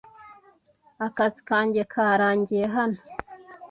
Akazi kanjye karangiye hano.